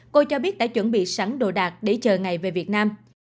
cô cho biết đã chuẩn bị sẵn đồ đạc để chờ ngày về việt nam